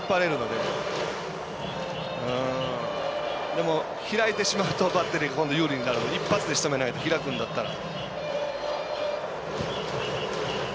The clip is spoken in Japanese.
でも、開いてしまうとバッテリーが今度、有利になるので一発でしとめないと、開くなら。